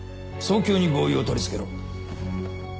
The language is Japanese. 早急に合意を取りつけろ。